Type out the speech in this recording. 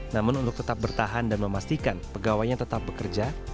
namun untuk tetap bertahan dan memastikan pegawainya tetap bekerja